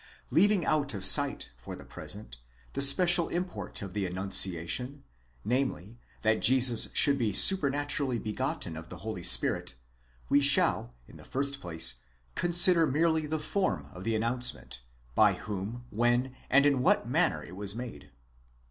Leaving out of sight, for the present, the special import of the annunciation, namely, that Jesus should be supernaturally begotten of the Holy Ghost, we shall, in the first place, consider merely the form of the announcement; by whom, when, and in what manner it was made.